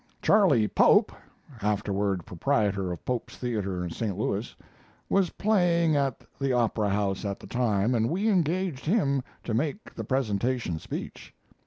Charlie Pope [afterward proprietor of Pope's Theater, St. Louis] was playing at the Opera House at the time, and we engaged him to make the presentation speech.